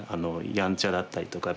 やんちゃだったりとか。